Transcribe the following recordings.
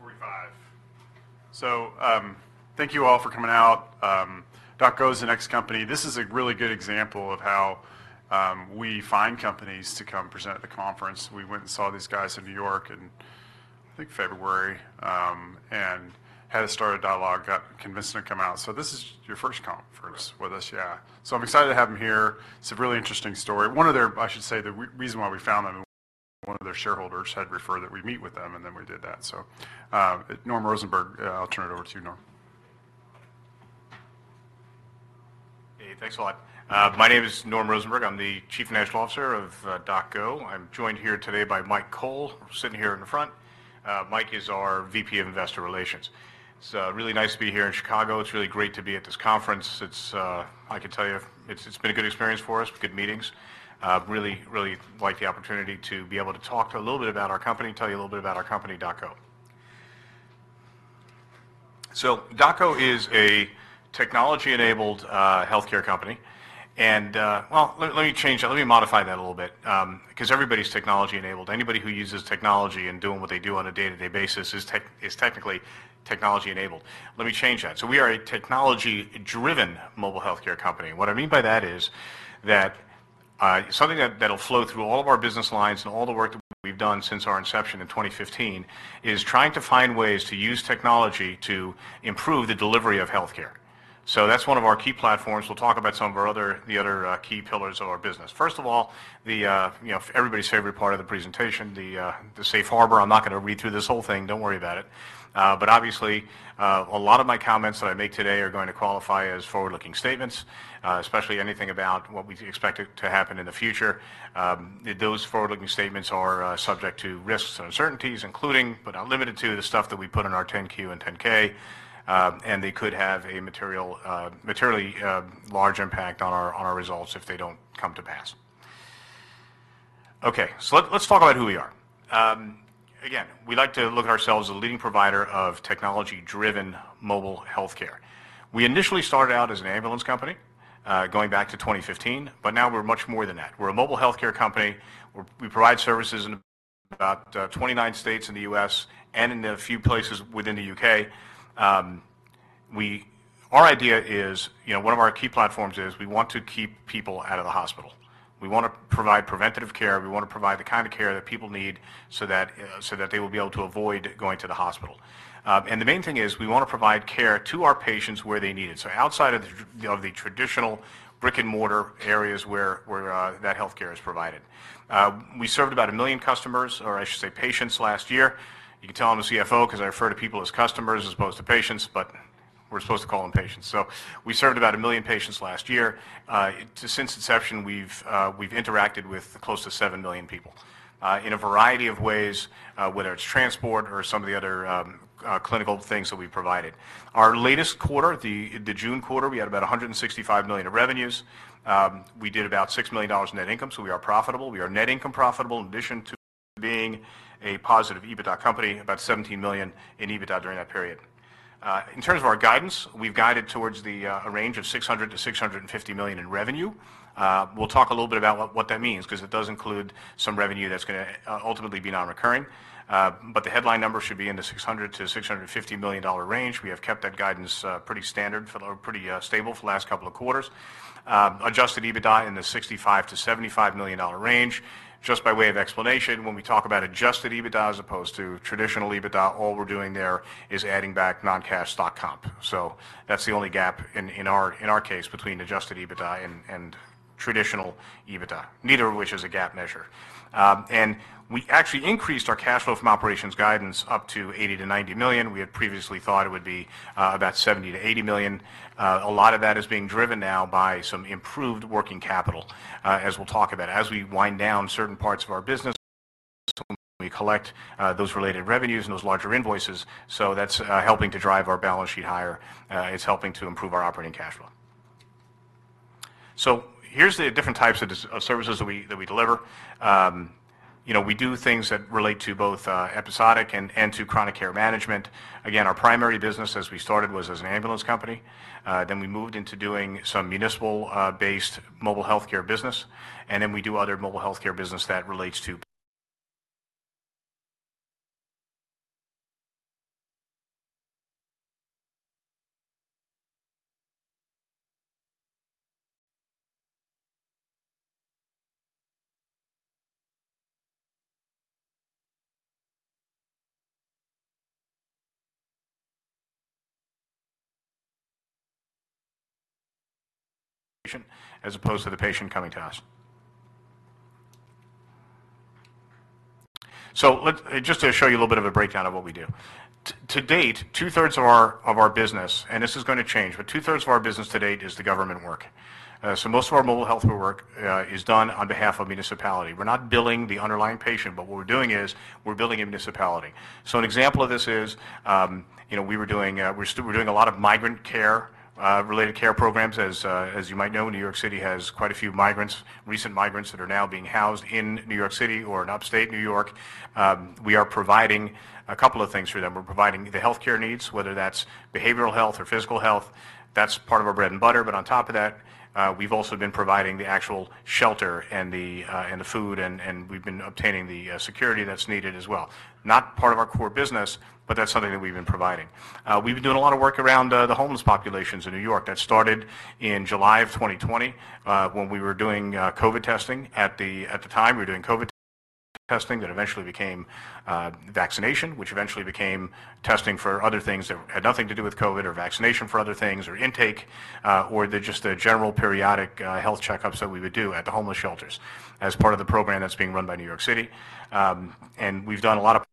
All right, it's 2:45 P.M., so thank you all for coming out. DocGo is the next company. This is a really good example of how we find companies to come present at the conference. We went and saw these guys in New York in, I think, February, and had to start a dialogue, got convinced them to come out, so this is your first conference with us. Correct. Yeah. So I'm excited to have him here. It's a really interesting story. One of their, I should say, the reason why we found them, one of their shareholders had referred that we meet with them, and then we did that. So, Norm Rosenberg, I'll turn it over to you, Norm. Hey, thanks a lot. My name is Norm Rosenberg. I'm the Chief Financial Officer of DocGo. I'm joined here today by Mike Cole, sitting here in the front. Mike is our VP of Investor Relations. It's really nice to be here in Chicago. It's really great to be at this conference. I can tell you, it's been a good experience for us, good meetings. Really like the opportunity to be able to talk to a little bit about our company, tell you a little bit about our company, DocGo. So DocGo is a technology-enabled healthcare company, and. Well, let me change that. Let me modify that a little bit, because everybody's technology-enabled. Anybody who uses technology in doing what they do on a day-to-day basis is technically technology-enabled. Let me change that. So we are a technology-driven mobile healthcare company. What I mean by that is that something that'll flow through all of our business lines and all the work that we've done since our inception in twenty fifteen is trying to find ways to use technology to improve the delivery of healthcare. So that's one of our key platforms. We'll talk about some of our other key pillars of our business. First of all, you know, everybody's favorite part of the presentation, the safe harbor. I'm not gonna read through this whole thing. Don't worry about it. But obviously a lot of my comments that I make today are going to qualify as forward-looking statements, especially anything about what we expect it to happen in the future. Those forward-looking statements are subject to risks and uncertainties, including, but not limited to, the stuff that we put in our 10-Q and 10-K, and they could have a materially large impact on our results if they don't come to pass. Okay, so let's talk about who we are. Again, we like to look at ourselves as a leading provider of technology-driven mobile healthcare. We initially started out as an ambulance company, going back to 2015, but now we're much more than that. We're a mobile healthcare company. We provide services in about 29 states in the U.S. and in a few places within the U.K. Our idea is, you know, one of our key platforms is, we want to keep people out of the hospital. We wanna provide preventative care. We wanna provide the kind of care that people need so that they will be able to avoid going to the hospital. And the main thing is, we wanna provide care to our patients where they need it. So outside of the traditional brick-and-mortar areas where that healthcare is provided. We served about a million customers, or I should say patients, last year. You can tell I'm a CFO 'cause I refer to people as customers as opposed to patients, but we're supposed to call them patients. So we served about a million patients last year. Since inception, we've interacted with close to seven million people in a variety of ways, whether it's transport or some of the other clinical things that we've provided. Our latest quarter, the June quarter, we had about $165 million of revenues. We did about $6 million net income, so we are profitable. We are net income profitable, in addition to being a positive EBITDA company, about $17 million in EBITDA during that period. In terms of our guidance, we've guided towards a range of $600-$650 million in revenue. We'll talk a little bit about what that means, 'cause it does include some revenue that's gonna ultimately be non-recurring. But the headline number should be in the $600-$650 million dollar range. We have kept that guidance pretty standard, or pretty stable for the last couple of quarters. Adjusted EBITDA in the $65-$75 million dollar range. Just by way of explanation, when we talk about adjusted EBITDA as opposed to traditional EBITDA, all we're doing there is adding back non-cash stock comp. So that's the only gap in our case between adjusted EBITDA and traditional EBITDA, neither of which is a GAAP measure. And we actually increased our cash flow from operations guidance up to $80 million-$90 million. We had previously thought it would be about $70 million-$80 million. A lot of that is being driven now by some improved working capital, as we'll talk about. As we wind down certain parts of our business, we collect those related revenues and those larger invoices, so that's helping to drive our balance sheet higher, it's helping to improve our operating cash flow. So here's the different types of services that we deliver. You know, we do things that relate to both episodic and to chronic care management. Again, our primary business as we started was as an ambulance company. Then we moved into doing some municipal based mobile healthcare business, and then we do other mobile healthcare business that relates to as opposed to the patient coming to us. So let's just to show you a little bit of a breakdown of what we do. To date, two-thirds of our business, and this is gonna change, but two-thirds of our business to date is the government work. So most of our mobile healthcare work is done on behalf of municipality. We're not billing the underlying patient, but what we're doing is, we're billing a municipality. So an example of this is, you know, we're still doing a lot of migrant care related care programs. As you might know, New York City has quite a few migrants, recent migrants that are now being housed in New York City or in upstate New York. We are providing a couple of things for them. We're providing the healthcare needs, whether that's behavioral health or physical health, that's part of our bread and butter, but on top of that, we've also been providing the actual shelter and the food, and we've been obtaining the security that's needed as well. Not part of our core business, but that's something that we've been providing. We've been doing a lot of work around the homeless populations in New York. That started in July of twenty twenty, when we were doing COVID testing. At the time, we were doing COVID testing that eventually became vaccination, which eventually became testing for other things that had nothing to do with COVID or vaccination for other things, or intake, or just the general periodic health checkups that we would do at the homeless shelters as part of the program that's being run by New York City. So as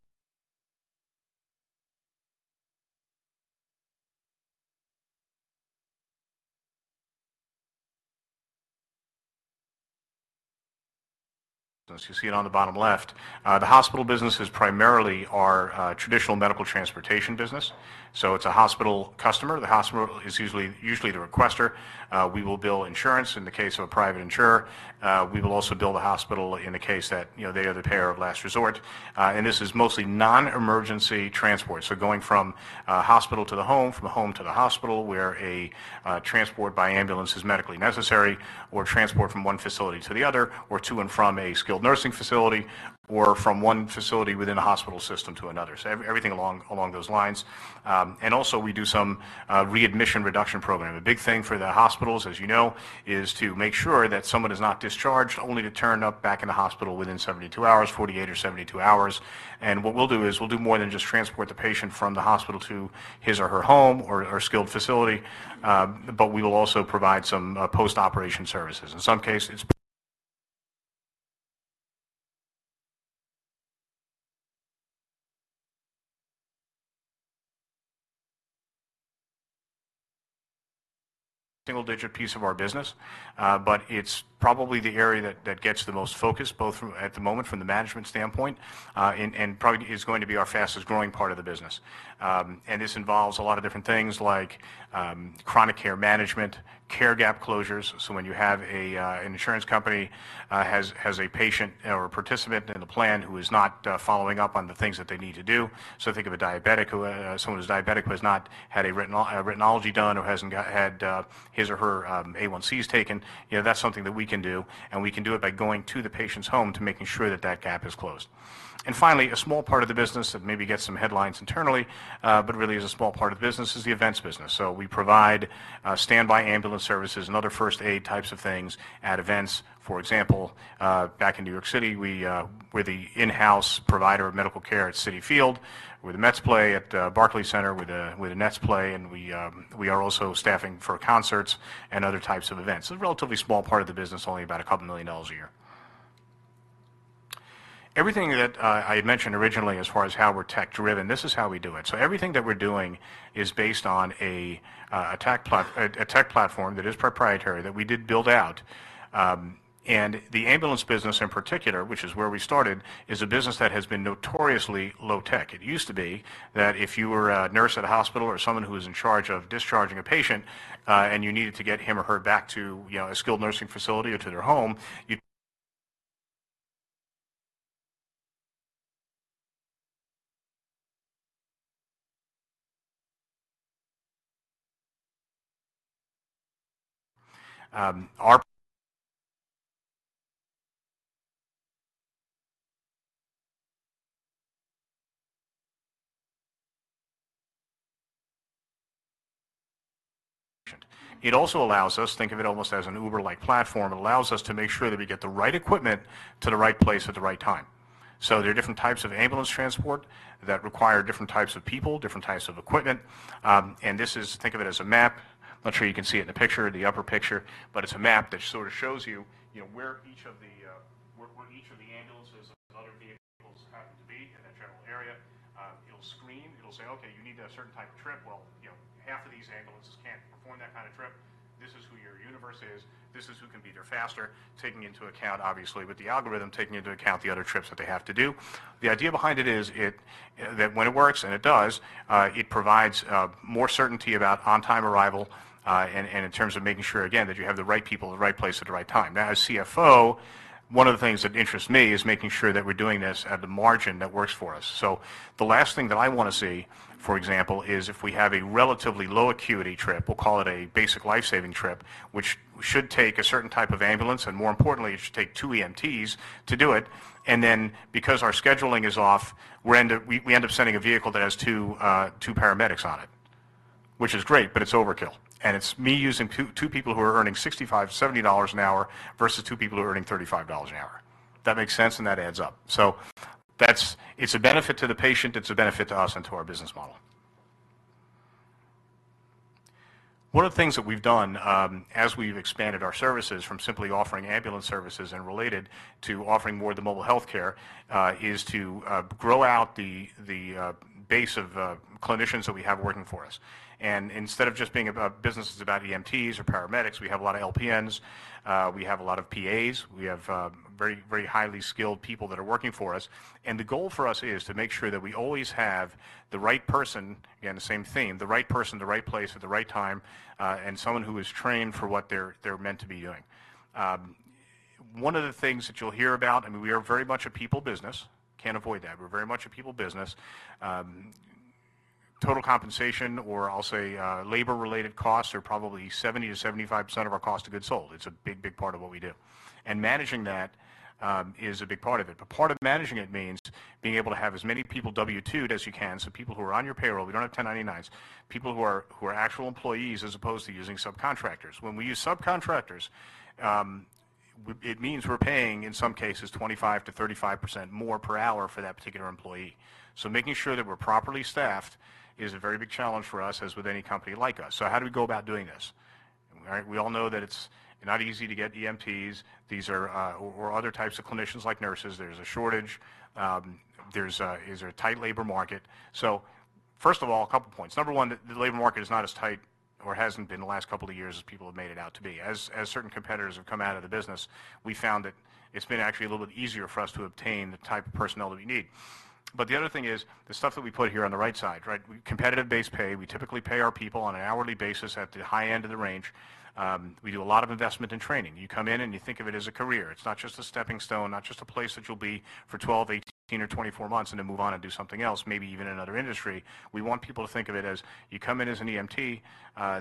you see it on the bottom left, the hospital business is primarily our traditional medical transportation business. So it's a hospital customer. The hospital is usually the requester. We will bill insurance in the case of a private insurer. We will also bill the hospital in the case that, you know, they are the payer of last resort. And this is mostly non-emergency transport. So going from a hospital to the home, from the home to the hospital, where a transport by ambulance is medically necessary, or transport from one facility to the other, or to and from a skilled nursing facility, or from one facility within a hospital system to another. So everything along those lines. And also, we do some readmission reduction program. A big thing for the hospitals, as you know, is to make sure that someone is not discharged, only to turn up back in the hospital within seventy-two hours, forty-eight or seventy-two hours. And what we'll do is, we'll do more than just transport the patient from the hospital to his or her home or skilled facility, but we will also provide some post-operation services. In some cases, it's a single-digit piece of our business, but it's probably the area that gets the most focus, both from, at the moment, from the management standpoint, and probably is going to be our fastest-growing part of the business. And this involves a lot of different things like chronic care management, care gap closures. So when you have an insurance company that has a patient or a participant in the plan who is not following up on the things that they need to do. So think of a diabetic who, someone who's diabetic, who has not had a retinopathy done or hasn't had his or her A1Cs taken. You know, that's something that we can do, and we can do it by going to the patient's home to making sure that that gap is closed. And finally, a small part of the business that maybe gets some headlines internally, but really is a small part of the business, is the events business. So we provide standby ambulance services and other first aid types of things at events. For example, back in New York City, we're the in-house provider of medical care at Citi Field, where the Mets play, at Barclays Center, where the Nets play, and we are also staffing for concerts and other types of events. A relatively small part of the business, only about a couple million dollars a year. Everything that I had mentioned originally as far as how we're tech-driven, this is how we do it, so everything that we're doing is based on a tech platform that is proprietary, that we did build out. And the ambulance business in particular, which is where we started, is a business that has been notoriously low tech. It used to be that if you were a nurse at a hospital or someone who was in charge of discharging a patient, and you needed to get him or her back to, you know, a skilled nursing facility or to their home, you... It also allows us, think of it almost as an Uber-like platform, it allows us to make sure that we get the right equipment to the right place at the right time. So there are different types of ambulance transport that require different types of people, different types of equipment. And this is, think of it as a map. Not sure you can see it in the picture, the upper picture, but it's a map that sort of shows you, you know, where each of the ambulances and other vehicles happen to be in a general area. It'll screen. It'll say, "Okay, you need a certain type of trip. Well, you know, half of these ambulances can't perform that kind of trip. This is who your universe is. This is who can be there faster," taking into account, obviously, with the algorithm, taking into account the other trips that they have to do. The idea behind it is that when it works, and it does, it provides more certainty about on-time arrival, and in terms of making sure, again, that you have the right people in the right place at the right time. Now, as CFO, one of the things that interests me is making sure that we're doing this at the margin that works for us. So the last thing that I want to see, for example, is if we have a relatively low acuity trip, we'll call it a basic life-saving trip, which should take a certain type of ambulance, and more importantly, it should take two EMTs to do it, and then because our scheduling is off, we end up sending a vehicle that has two paramedics on it, which is great, but it's overkill. And it's me using two people who are earning $65-$70 an hour versus two people who are earning $35 an hour. That makes sense, and that adds up. So that's a benefit to the patient, it's a benefit to us and to our business model. One of the things that we've done, as we've expanded our services from simply offering ambulance services and related, to offering more of the mobile healthcare, is to grow out the base of clinicians that we have working for us. And instead of just being a business that's about EMTs or paramedics, we have a lot of LPNs, we have a lot of PAs, we have very, very highly skilled people that are working for us. And the goal for us is to make sure that we always have the right person, again, the same theme, the right place at the right time, and someone who is trained for what they're meant to be doing. One of the things that you'll hear about, I mean, we are very much a people business. Can't avoid that. We're very much a people business. Total compensation, or I'll say, labor-related costs, are probably 70%-75% of our cost of goods sold. It's a big, big part of what we do. And managing that is a big part of it. But part of managing it means being able to have as many people W-2'd as you can, so people who are on your payroll, we don't have 1099s, people who are actual employees, as opposed to using subcontractors. When we use subcontractors, it means we're paying, in some cases, 25%-35% more per hour for that particular employee. So making sure that we're properly staffed is a very big challenge for us, as with any company like us. So how do we go about doing this? All right, we all know that it's not easy to get EMTs. These are or other types of clinicians, like nurses. There's a shortage. There's a tight labor market. So first of all, a couple points. Number one, the labor market is not as tight, or hasn't been the last couple of years, as people have made it out to be. As certain competitors have come out of the business, we found that it's been actually a little bit easier for us to obtain the type of personnel that we need. But the other thing is, the stuff that we put here on the right side, right? Competitive base pay, we typically pay our people on an hourly basis at the high end of the range. We do a lot of investment in training. You come in, and you think of it as a career. It's not just a stepping stone, not just a place that you'll be for 12, 18, or 24 months and then move on and do something else, maybe even in another industry. We want people to think of it as, you come in as an EMT,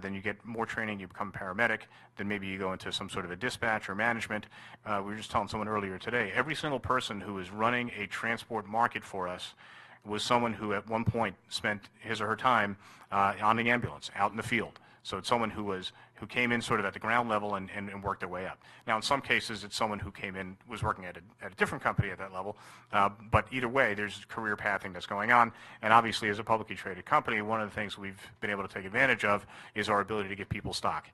then you get more training, you become a paramedic, then maybe you go into some sort of a dispatch or management. We were just telling someone earlier today, every single person who is running a transport market for us was someone who at one point spent his or her time on the ambulance, out in the field. So it's someone who came in sort of at the ground level and worked their way up. Now, in some cases, it's someone who came in, was working at a different company at that level, but either way, there's career pathing that's going on, and obviously, as a publicly traded company, one of the things we've been able to take advantage of is our ability to give people stock.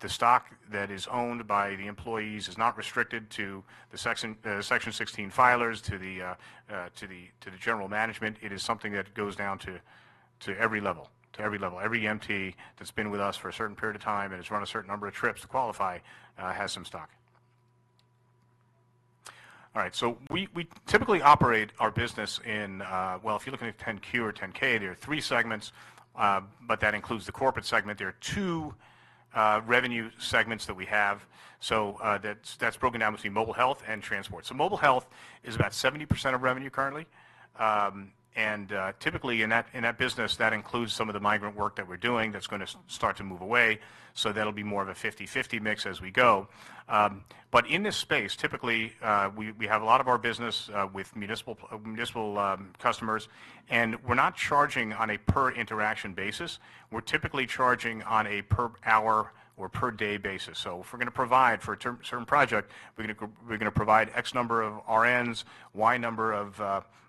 The stock that is owned by the employees is not restricted to the Section 16 filers, to the general management. It is something that goes down to every level. Every EMT that's been with us for a certain period of time and has run a certain number of trips to qualify has some stock. All right, so we typically operate our business in... If you're looking at 10-Q or 10-K, there are three segments, but that includes the corporate segment. There are two revenue segments that we have. That's broken down between Mobile Health and Transport. Mobile Health is about 70% of revenue currently. Typically in that business, that includes some of the migrant work that we're doing that's gonna start to move away, so that'll be more of a 50/50 mix as we go.In this space, typically, we have a lot of our business with municipal customers, and we're not charging on a per interaction basis. We're typically charging on a per hour or per day basis. So if we're gonna provide for a term-certain project, we're gonna provide X number of RNs, Y number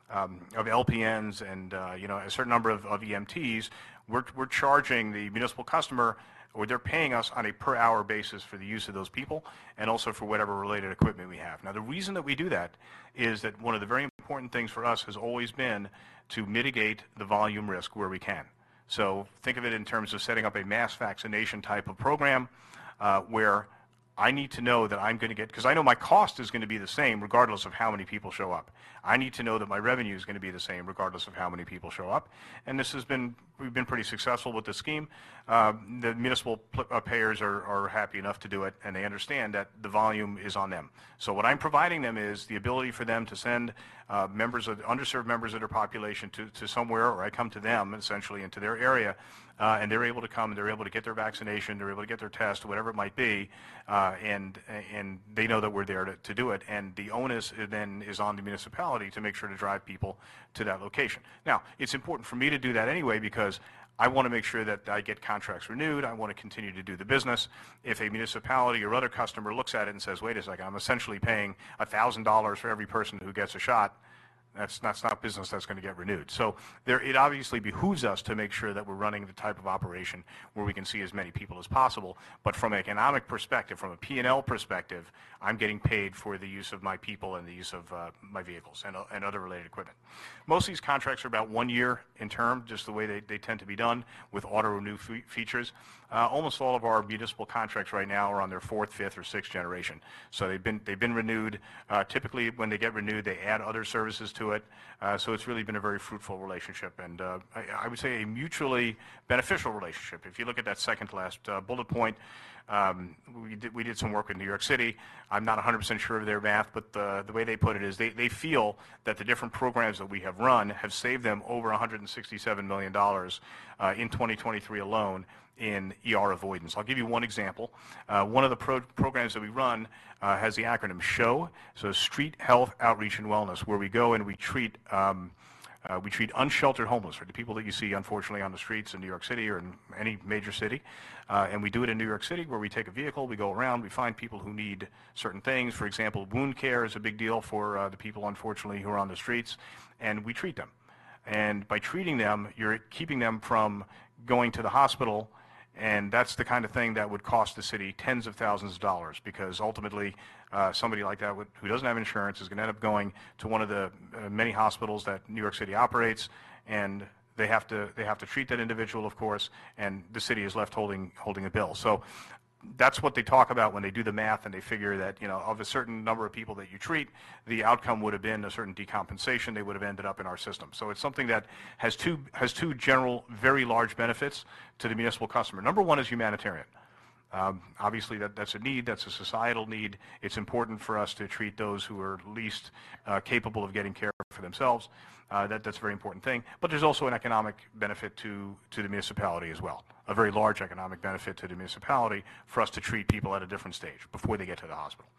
of LPNs, and you know, a certain number of EMTs, we're charging the municipal customer, or they're paying us on a per hour basis for the use of those people, and also for whatever related equipment we have. Now, the reason that we do that is that one of the very important things for us has always been to mitigate the volume risk where we can. So think of it in terms of setting up a mass vaccination type of program, where I need to know that I'm gonna get, 'cause I know my cost is gonna be the same, regardless of how many people show up. I need to know that my revenue is gonna be the same, regardless of how many people show up, and this has been. We've been pretty successful with this scheme. The municipal payers are happy enough to do it, and they understand that the volume is on them. So what I'm providing them is the ability for them to send underserved members of their population to somewhere, or I come to them, essentially, into their area, and they're able to come, and they're able to get their vaccination, they're able to get their test, whatever it might be, and they know that we're there to do it, and the onus then is on the municipality to make sure to drive people to that location. Now, it's important for me to do that anyway because I wanna make sure that I get contracts renewed, I wanna continue to do the business. If a municipality or other customer looks at it and says, "Wait a second, I'm essentially paying $1,000 for every person who gets a shot," that's not a business that's gonna get renewed. So there, it obviously behooves us to make sure that we're running the type of operation where we can see as many people as possible. But from an economic perspective, from a P&L perspective, I'm getting paid for the use of my people and the use of my vehicles and other related equipment. Most of these contracts are about one year in term, just the way they tend to be done, with auto-renew features. Almost all of our municipal contracts right now are on their fourth, fifth, or sixth generation. So they've been renewed. Typically, when they get renewed, they add other services to it, so it's really been a very fruitful relationship, and I would say a mutually beneficial relationship. If you look at that second-to-last bullet point, we did some work in New York City. I'm not a hundred percent sure of their math, but the way they put it is, they feel that the different programs that we have run have saved them over $167 million in 2023 alone in ER avoidance. I'll give you one example. One of the programs that we run has the acronym SHOW, so Street Health Outreach and Wellness, where we go, and we treat unsheltered homeless, or the people that you see, unfortunately, on the streets of New York City or in any major city. And we do it in New York City, where we take a vehicle, we go around, we find people who need certain things. For example, wound care is a big deal for the people, unfortunately, who are on the streets, and we treat them. By treating them, you're keeping them from going to the hospital, and that's the kind of thing that would cost the city tens of thousands of dollars because ultimately, somebody like that, who doesn't have insurance, is gonna end up going to one of the many hospitals that New York City operates, and they have to treat that individual, of course, and the city is left holding the bill. So that's what they talk about when they do the math, and they figure that, you know, of a certain number of people that you treat, the outcome would have been a certain decompensation. They would have ended up in our system. So it's something that has two general, very large benefits to the municipal customer. Number one is humanitarian. Obviously, that, that's a need, that's a societal need. It's important for us to treat those who are least capable of getting care for themselves. That's a very important thing, but there's also an economic benefit to the municipality as well, a very large economic benefit to the municipality for us to treat people at a different stage, before they get to the hospital,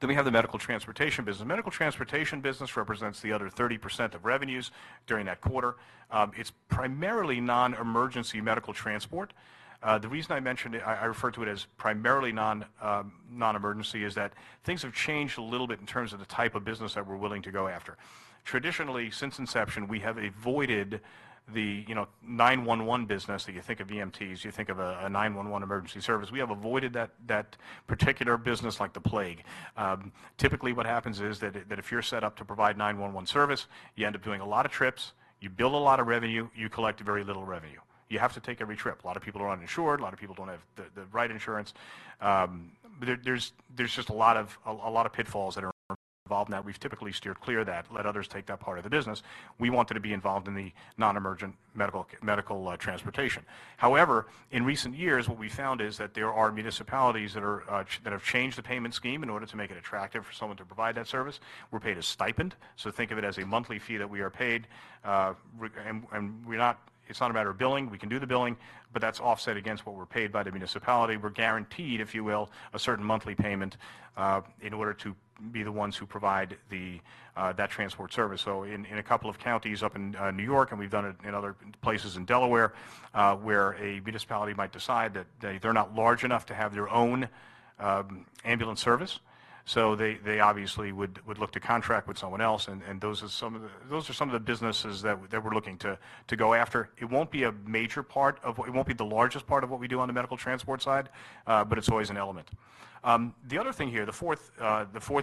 then we have the medical transportation business. Medical transportation business represents the other 30% of revenues during that quarter. It's primarily non-emergency medical transport. The reason I mention it, I refer to it as primarily non-emergency, is that things have changed a little bit in terms of the type of business that we're willing to go after. Traditionally, since inception, we have avoided the, you know, nine-one-one business, that you think of EMTs, you think of a nine-one-one emergency service. We have avoided that, that particular business like the plague. Typically, what happens is, that if you're set up to provide nine-one-one service, you end up doing a lot of trips, you bill a lot of revenue, you collect very little revenue. You have to take every trip. A lot of people are uninsured, a lot of people don't have the right insurance. There's just a lot of pitfalls that are involved in that. We've typically steered clear of that, let others take that part of the business. We wanted to be involved in the non-emergent medical care, medical transportation. However, in recent years, what we found is that there are municipalities that have changed the payment scheme in order to make it attractive for someone to provide that service. We're paid a stipend, so think of it as a monthly fee that we are paid. And we're not. It's not a matter of billing. We can do the billing, but that's offset against what we're paid by the municipality. We're guaranteed, if you will, a certain monthly payment in order to be the ones who provide that transport service. So in a couple of counties up in New York, and we've done it in other places in Delaware, where a municipality might decide that they're not large enough to have their own ambulance service, so they obviously would look to contract with someone else, and those are some of the businesses that we're looking to go after. It won't be a major part of what it won't be the largest part of what we do on the medical transport side, but it's always an element. The other thing here, the fourth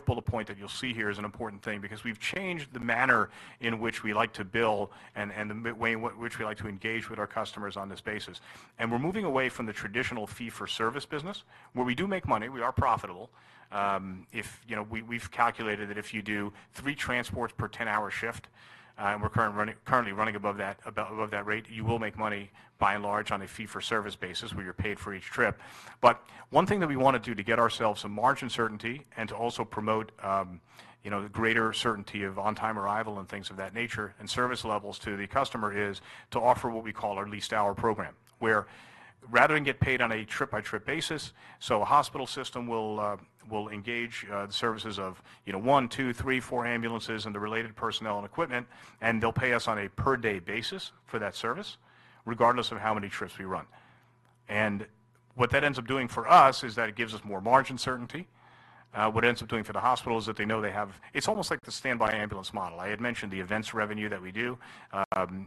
bullet point that you'll see here is an important thing, because we've changed the manner in which we like to bill, and the way in which we like to engage with our customers on this basis. And we're moving away from the traditional fee-for-service business, where we do make money, we are profitable. If you know, we've calculated that if you do three transports per 10-hour shift, and we're currently running above that rate, you will make money, by and large, on a fee-for-service basis, where you're paid for each trip. But one thing that we wanna do to get ourselves some margin certainty, and to also promote, you know, the greater certainty of on-time arrival and things of that nature, and service levels to the customer, is to offer what we call our Leased Hour Program, where rather than get paid on a trip-by-trip basis, so a hospital system will engage the services of, you know, one, two, three, four ambulances and the related personnel and equipment, and they'll pay us on a per-day basis for that service, regardless of how many trips we run. And what that ends up doing for us, is that it gives us more margin certainty. What it ends up doing for the hospital, is that they know they have... It's almost like the standby ambulance model. I had mentioned the events revenue that we do,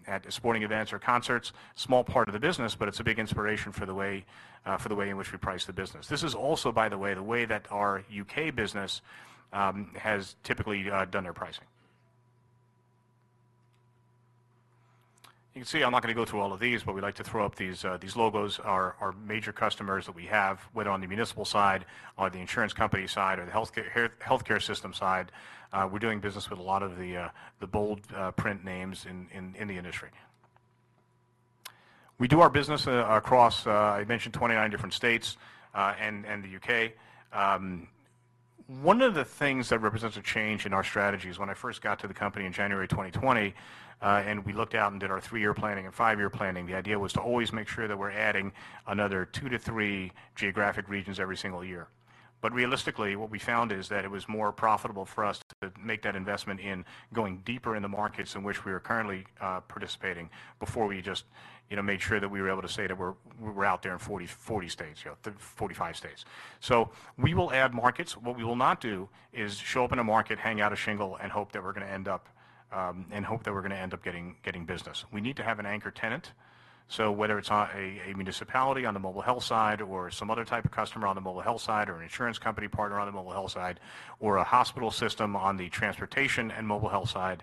at sporting events or concerts. Small part of the business, but it's a big inspiration for the way, for the way in which we price the business. This is also, by the way, the way that our U.K. business, has typically, done their pricing. You can see I'm not gonna go through all of these, but we like to throw up these, these logos are major customers that we have, whether on the municipal side, or the insurance company side, or the healthcare system side. We're doing business with a lot of the bold print names in the industry. We do our business, across, I mentioned 29 different states, and the U.K. One of the things that represents a change in our strategy is when I first got to the company in January 2020, and we looked out and did our 3-year planning and 5-year planning, the idea was to always make sure that we're adding another two to three geographic regions every single year, but realistically, what we found is that it was more profitable for us to make that investment in going deeper in the markets in which we are currently participating, before we just, you know, made sure that we were able to say that we're out there in 40-45 states, so we will add markets. What we will not do is show up in a market, hang out a shingle, and hope that we're gonna end up getting business. We need to have an anchor tenant, so whether it's on a municipality on the mobile health side, or some other type of customer on the mobile health side, or an insurance company partner on the mobile health side, or a hospital system on the transportation and mobile health side,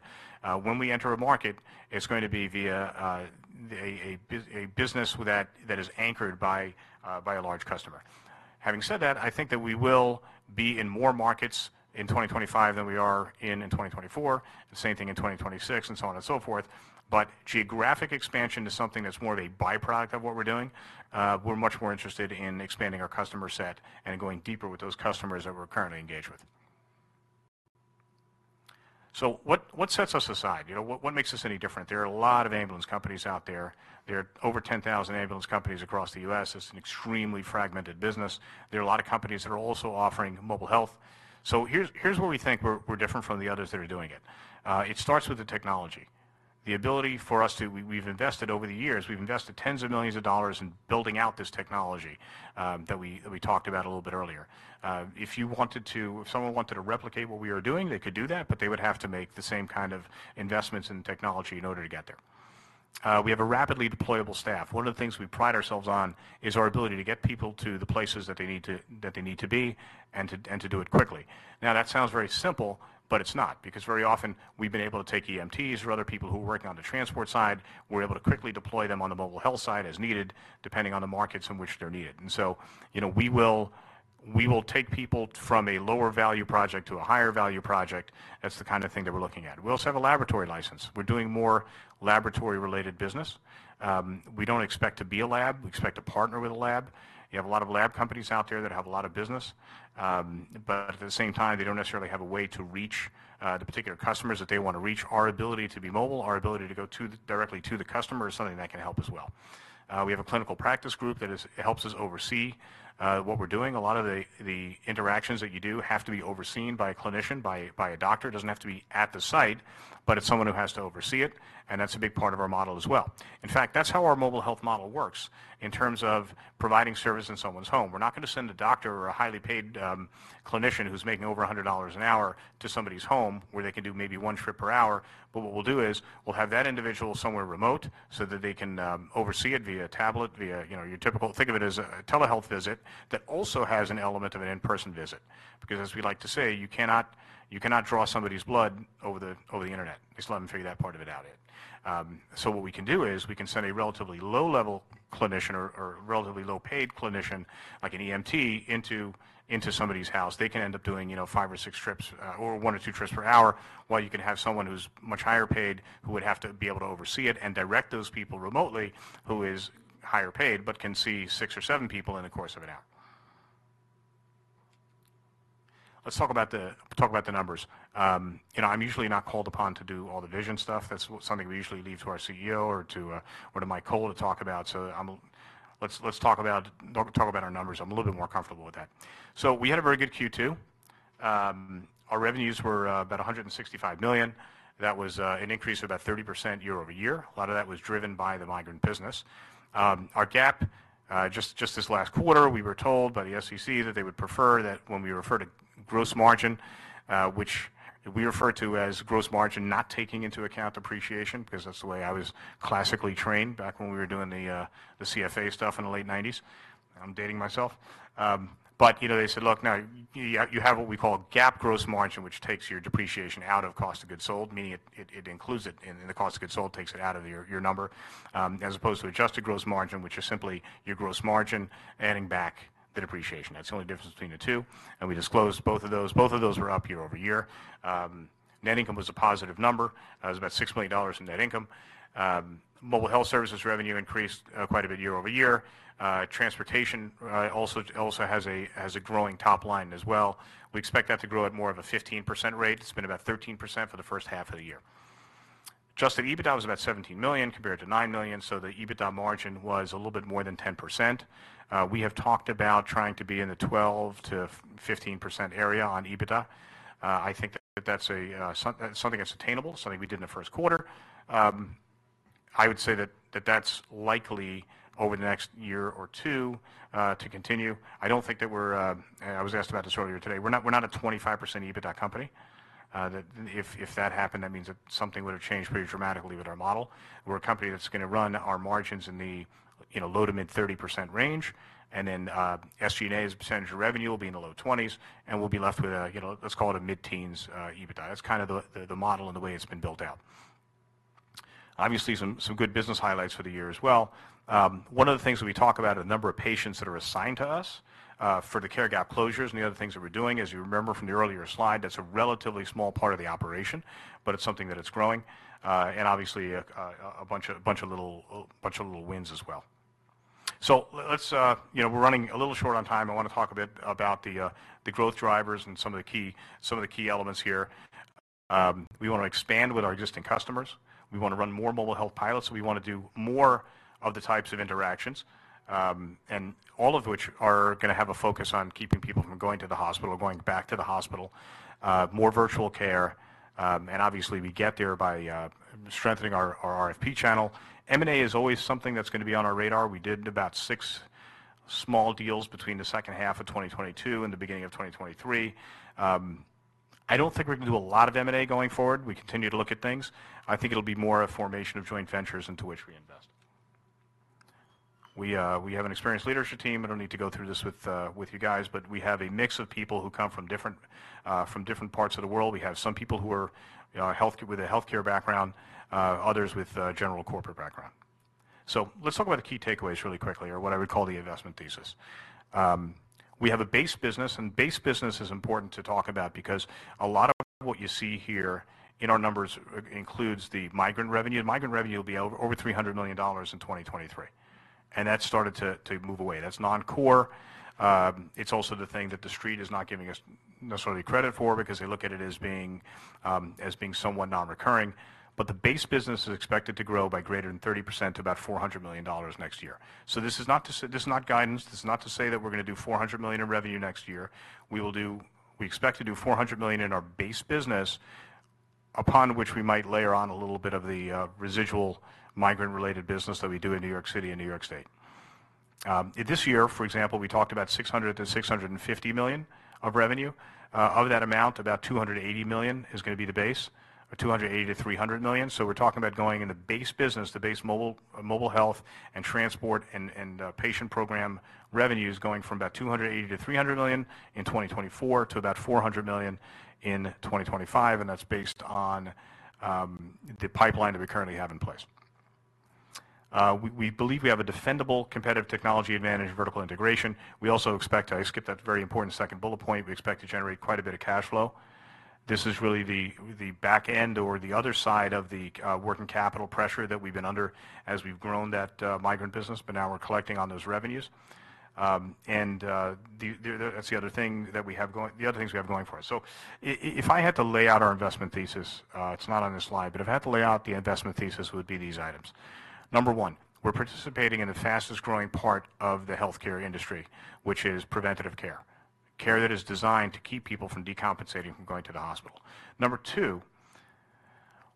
when we enter a market, it's going to be via a business that is anchored by a large customer. Having said that, I think that we will be in more markets in 2025 than we are in 2024, the same thing in 2026, and so on and so forth, but geographic expansion is something that's more of a by-product of what we're doing. We're much more interested in expanding our customer set and going deeper with those customers that we're currently engaged with, so what sets us aside? You know, what makes us any different? There are a lot of ambulance companies out there. There are over 10,000 ambulance companies across the U.S. It's an extremely fragmented business. There are a lot of companies that are also offering mobile health. So here's where we think we're different from the others that are doing it. It starts with the technology, the ability for us to. We've invested over the years tens of millions of dollars in building out this technology that we talked about a little bit earlier. If you wanted to, if someone wanted to replicate what we are doing, they could do that, but they would have to make the same kind of investments in technology in order to get there. We have a rapidly deployable staff. One of the things we pride ourselves on is our ability to get people to the places that they need to, that they need to be, and to, and to do it quickly. Now, that sounds very simple, but it's not, because very often, we've been able to take EMTs or other people who work on the transport side, we're able to quickly deploy them on the mobile health side as needed, depending on the markets in which they're needed. And so, you know, we will, we will take people from a lower value project to a higher value project. That's the kind of thing that we're looking at. We also have a laboratory license. We're doing more laboratory-related business. We don't expect to be a lab, we expect to partner with a lab. You have a lot of lab companies out there that have a lot of business, but at the same time, they don't necessarily have a way to reach the particular customers that they wanna reach. Our ability to be mobile, our ability to go to directly to the customer is something that can help as well. We have a clinical practice group that helps us oversee what we're doing. A lot of the interactions that you do have to be overseen by a clinician, by a doctor. It doesn't have to be at the site, but it's someone who has to oversee it, and that's a big part of our model as well. In fact, that's how our mobile health model works in terms of providing service in someone's home. We're not gonna send a doctor or a highly paid clinician who's making over $100 an hour to somebody's home, where they can do maybe one trip per hour, but what we'll do is, we'll have that individual somewhere remote, so that they can oversee it via tablet, via you know, your typical. Think of it as a telehealth visit, that also has an element of an in-person visit. Because as we like to say, you cannot, you cannot draw somebody's blood over the internet. They still haven't figured that part of it out yet, so what we can do is, we can send a relatively low-level clinician or relatively low-paid clinician, like an EMT, into somebody's house. They can end up doing, you know, five or six trips, or one or two trips per hour, while you can have someone who's much higher paid, who would have to be able to oversee it and direct those people remotely, who is higher paid, but can see six or seven people in the course of an hour. Let's talk about the numbers. You know, I'm usually not called upon to do all the vision stuff, that's something we usually leave to our CEO or to one of my colleagues to talk about. So let's talk about our numbers, I'm a little bit more comfortable with that. So we had a very good Q2. Our revenues were about $165 million. That was an increase of about 30% year over year. A lot of that was driven by the migrant business. Our GAAP, just this last quarter, we were told by the SEC that they would prefer that when we refer to gross margin, which we refer to as gross margin, not taking into account depreciation, 'cause that's the way I was classically trained back when we were doing the CFA stuff in the late '90s. I'm dating myself, but you know, they said, "Look, now you have what we call a GAAP gross margin, which takes your depreciation out of cost of goods sold," meaning it includes it, and the cost of goods sold takes it out of your number. As opposed to adjusted gross margin, which is simply your gross margin, adding back the depreciation. That's the only difference between the two, and we disclosed both of those. Both of those were up year over year. Net income was a positive number, it was about $6 million in net income. Mobile health services revenue increased quite a bit year over year. Transportation also has a growing top line as well. We expect that to grow at more of a 15% rate, it's been about 13% for the first half of the year. Adjusted EBITDA was about $17 million, compared to $9 million, so the EBITDA margin was a little bit more than 10%. We have talked about trying to be in the 12%-15% area on EBITDA. I think that that's something that's attainable, something we did in the first quarter. I would say that that's likely over the next year or two to continue. I don't think that we're... I was asked about this earlier today. We're not a 25% EBITDA company. If that happened, that means that something would have changed pretty dramatically with our model. We're a company that's gonna run our margins in a low- to mid-30% range, and then SG&A as a percentage of revenue will be in the low 20s%, and we'll be left with a, you know, let's call it a mid-teens% EBITDA. That's kind of the model and the way it's been built out. Obviously, some good business highlights for the year as well. One of the things that we talk about are the number of patients that are assigned to us for the care gap closures and the other things that we're doing. As you remember from the earlier slide, that's a relatively small part of the operation, but it's something that it's growing. And obviously, a bunch of little wins as well. So let's... You know, we're running a little short on time. I wanna talk a bit about the growth drivers and some of the key elements here. We wanna expand with our existing customers. We wanna run more mobile health pilots, we wanna do more of the types of interactions. And all of which are gonna have a focus on keeping people from going to the hospital or going back to the hospital. More virtual care, and obviously, we get there by strengthening our RFP channel. M&A is always something that's gonna be on our radar. We did about six small deals between the second half of 2022 and the beginning of 2023. I don't think we're gonna do a lot of M&A going forward. We continue to look at things. I think it'll be more a formation of joint ventures into which we invest. We have an experienced leadership team. I don't need to go through this with you guys, but we have a mix of people who come from different parts of the world. We have some people who are with a healthcare background, others with a general corporate background. So let's talk about the key takeaways really quickly, or what I would call the investment thesis. We have a base business, and base business is important to talk about, because a lot of what you see here in our numbers includes the migrant revenue. Migrant revenue will be over $300 million in 2023, and that's started to move away. That's non-core. It's also the thing that the street is not giving us necessarily credit for, because they look at it as being as being somewhat non-recurring. But the base business is expected to grow by greater than 30%, to about $400 million next year. This is not guidance, this is not to say that we're gonna do $400 million in revenue next year. We expect to do $400 million in our base business, upon which we might layer on a little bit of the residual migrant-related business that we do in New York City and New York State.This year, for example, we talked about $600 million to $650 million of revenue. Of that amount, about $280 million is gonna be the base, or $280 million to $300 million. So we're talking about going in the base business, the base mobile health and transport, and patient program revenues going from about $280 million-$300 million in 2024, to about $400 million in 2025, and that's based on the pipeline that we currently have in place. We believe we have a defendable competitive technology advantage, vertical integration. We also expect. I skipped that very important second bullet point. We expect to generate quite a bit of cash flow. This is really the back end or the other side of the working capital pressure that we've been under as we've grown that migrant business, but now we're collecting on those revenues. And that's the other thing that we have going, the other things we have going for us. So if I had to lay out our investment thesis, it's not on this slide, but if I had to lay out the investment thesis, it would be these items. Number one, we're participating in the fastest growing part of the healthcare industry, which is preventative care. Care that is designed to keep people from decompensating, from going to the hospital. Number two,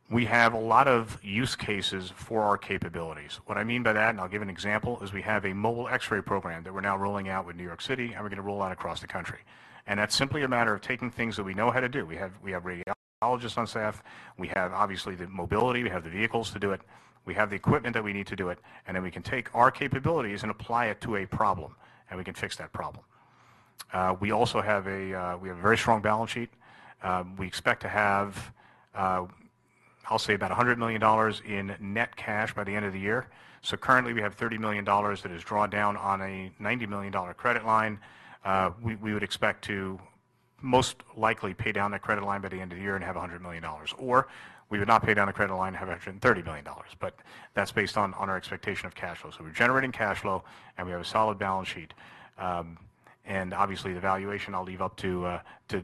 we have a lot of use cases for our capabilities. What I mean by that, and I'll give an example, is we have a mobile X-ray program that we're now rolling out with New York City, and we're gonna roll out across the country. And that's simply a matter of taking things that we know how to do. We have, we have radiologists on staff, we have obviously the mobility, we have the vehicles to do it, we have the equipment that we need to do it, and then we can take our capabilities and apply it to a problem, and we can fix that problem. We also have a very strong balance sheet. We expect to have, I'll say about $100 million in net cash by the end of the year. So currently, we have $30 million that is drawn down on a $90 million credit line. We would expect to most likely pay down that credit line by the end of the year and have $100 million, or we would not pay down the credit line and have $130 million. But that's based on our expectation of cash flow. So we're generating cash flow, and we have a solid balance sheet. And obviously, the valuation I'll leave up to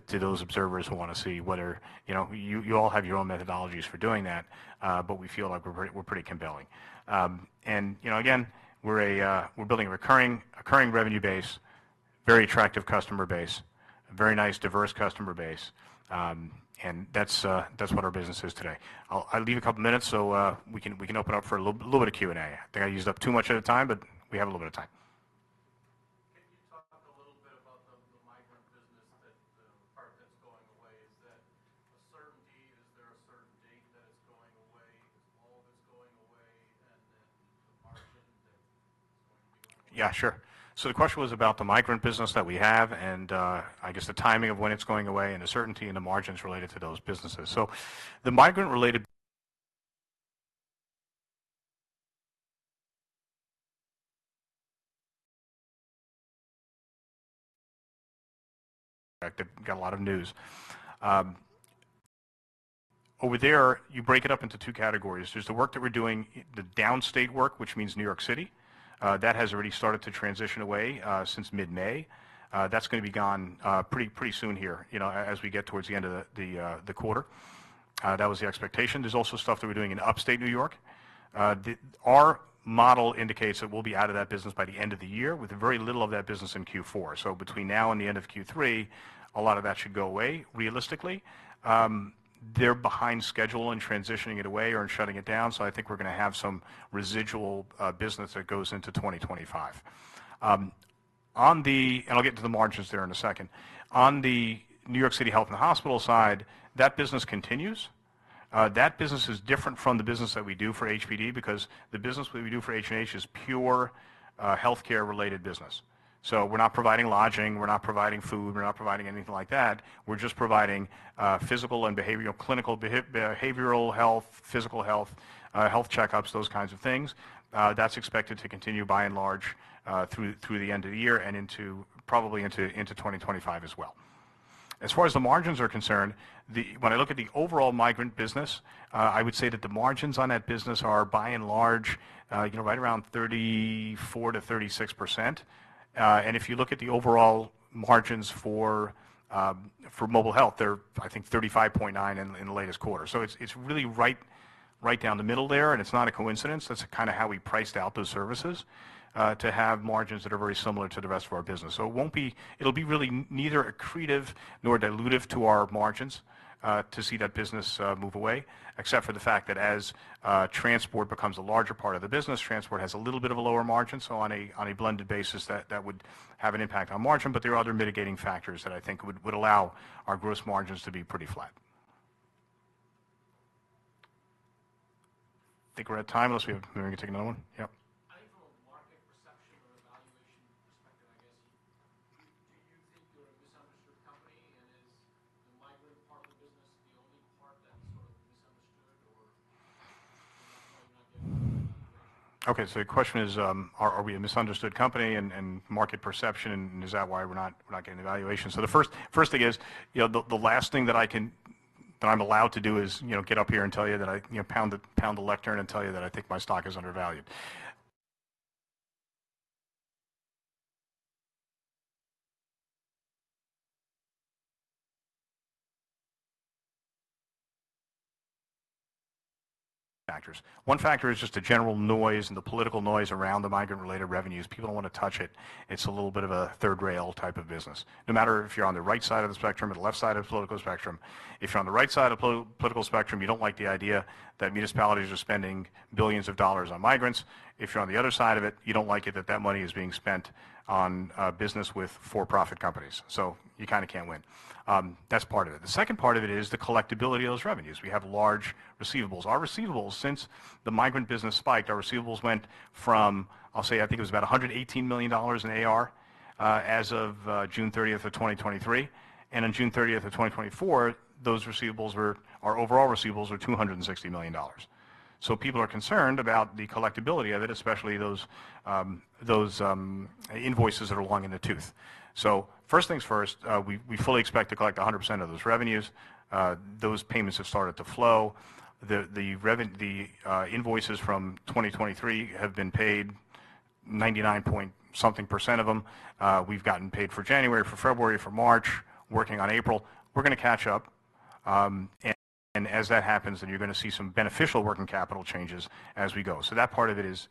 those observers who wanna see whether, you know. You all have your own methodologies for doing that, but we feel like we're pretty compelling. And, you know, again, we're building a recurring revenue base, very attractive customer base, a very nice, diverse customer base, and that's what our business is today. I'll leave a couple minutes, so we can open up for a little bit of Q&A. I think I used up too much of the time, but we have a little bit of time. Can you talk a little bit about the migrant business, that the part that's going away? Is that a certainty? Is there a certain date that it's going away? Is all of it's going away, and then the margin that is going to be- Yeah, sure. So the question was about the migrant business that we have and, I guess, the timing of when it's going away and the certainty and the margins related to those businesses. So the migrant-related. They've got a lot of news over there. You break it up into two categories. There's the work that we're doing, the downstate work, which means New York City. That has already started to transition away since mid-May. That's gonna be gone pretty soon here, you know, as we get towards the end of the quarter. That was the expectation. There's also stuff that we're doing in upstate New York. Our model indicates that we'll be out of that business by the end of the year, with very little of that business in Q4. So between now and the end of Q3, a lot of that should go away, realistically. They're behind schedule in transitioning it away or in shutting it down, so I think we're gonna have some residual business that goes into 2025. And I'll get to the margins there in a second. On the New York City Health and Hospitals side, that business continues. That business is different from the business that we do for HPD because the business we do for H+H is pure healthcare-related business. So we're not providing lodging, we're not providing food, we're not providing anything like that. We're just providing physical and behavioral behavioral health, physical health health checkups, those kinds of things. That's expected to continue by and large through the end of the year and into probably into 2025 as well. As far as the margins are concerned, when I look at the overall migrant business, I would say that the margins on that business are by and large, you know, right around 34%-36%. And if you look at the overall margins for mobile health, they're, I think, 35.9% in the latest quarter. So it's really right down the middle there, and it's not a coincidence. That's kind of how we priced out those services to have margins that are very similar to the rest of our business. So it won't be. It'll be really neither accretive nor dilutive to our margins to see that business move away, except for the fact that as transport becomes a larger part of the business, transport has a little bit of a lower margin. So on a blended basis, that would have an impact on margin, but there are other mitigating factors that I think would allow our gross margins to be pretty flat. I think we're at time unless we have... We can take another one. Yep. I think from a market perception or evaluation perspective, I guess, do you think you're a misunderstood company, and is the migrant part of the business the only part that's sort of misunderstood or? Okay, so the question is, are we a misunderstood company and market perception, and is that why we're not getting valuation? The first thing is, you know, the last thing that I can that I'm allowed to do is, you know, get up here and tell you that I you know, pound the lectern and tell you that I think my stock is undervalued. Factors. One factor is just the general noise and the political noise around the migrant-related revenues. People don't wanna touch it. It's a little bit of a third rail type of business. No matter if you're on the right side of the spectrum or the left side of the political spectrum, if you're on the right side of the political spectrum, you don't like the idea that municipalities are spending billions of dollars on migrants. If you're on the other side of it, you don't like it, that money is being spent on business with for-profit companies, so you kinda can't win. That's part of it. The second part of it is the collectibility of those revenues. We have large receivables. Our receivables, since the migrant business spiked, our receivables went from, I'll say, I think it was about $118 million in AR as of June 30th of 2023, and on June 30th of 2024, those receivables were our overall receivables were $260 million. So people are concerned about the collectibility of it, especially those invoices that are long in the tooth. So first things first, we fully expect to collect 100% of those revenues. Those payments have started to flow. The invoices from 2023 have been paid, 99.something% of them. We've gotten paid for January, for February, for March, working on April. We're gonna catch up. And as that happens, then you're gonna see some beneficial working capital changes as we go. So that part of it is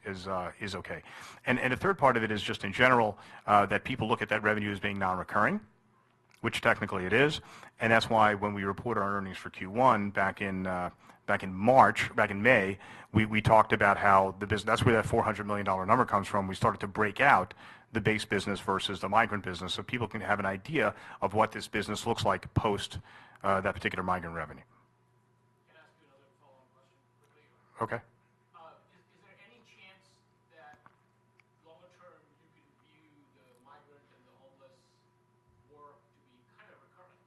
okay. And the third part of it is just in general that people look at that revenue as being non-recurring, which technically it is, and that's why when we report our earnings for Q1 back in March, back in May, we talked about how the business. That's where that $400 million number comes from. We started to break out the base business versus the migrant business, so people can have an idea of what this business looks like post that particular migrant revenue. Can I ask you another follow-up question quickly? Okay. Is there any chance that long term you can view the migrant and the homeless work to be kind of recurring?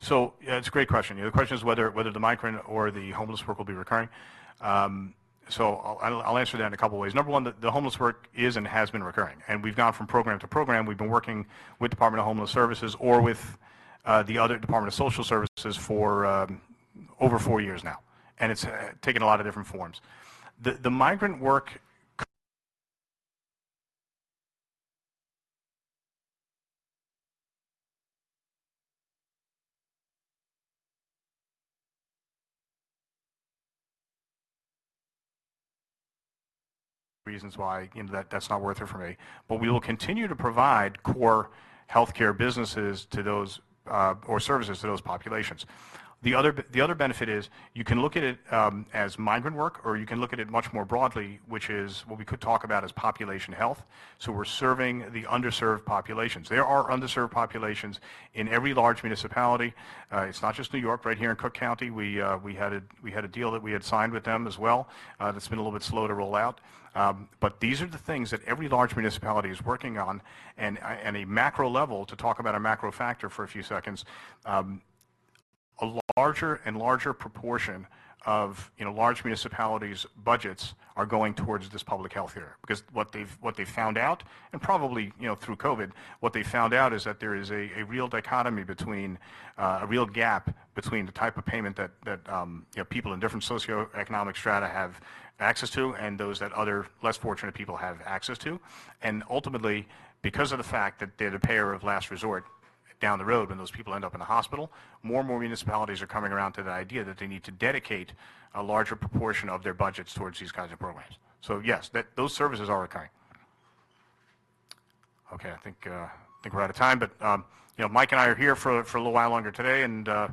So, yeah, it's a great question. Yeah, the question is whether the migrant or the homeless work will be recurring. So I'll answer that in a couple of ways. Number one, the homeless work is and has been recurring, and we've gone from program to program. We've been working with Department of Homeless Services or with the other Department of Social Services for over four years now, and it's taken a lot of different forms. The migrant work reasons why, you know, that that's not worth it for me. But we will continue to provide core healthcare businesses to those or services to those populations. The other benefit is, you can look at it as migrant work, or you can look at it much more broadly, which is what we could talk about as population health. We're serving the underserved populations. There are underserved populations in every large municipality. It's not just New York. Right here in Cook County, we had a deal that we had signed with them as well, that's been a little bit slow to roll out. But these are the things that every large municipality is working on. And on a macro level, to talk about a macro factor for a few seconds, a larger and larger proportion of, you know, large municipalities' budgets are going towards this public health care. Because what they've found out, and probably, you know, through COVID, what they found out is that there is a real dichotomy between a real gap between the type of payment that you know, people in different socioeconomic strata have access to and those that other less fortunate people have access to. And ultimately, because of the fact that they're the payer of last resort, down the road, when those people end up in the hospital, more and more municipalities are coming around to the idea that they need to dedicate a larger proportion of their budgets towards these kinds of programs. So yes, those services are recurring. Okay, I think we're out of time, but you know, Mike and I are here for a little while longer today, and.